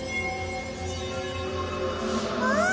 ああ！